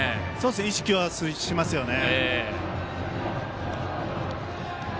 意識はしますよね。